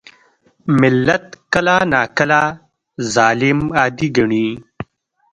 ملت کله ناکله ظالم عادي ګڼي.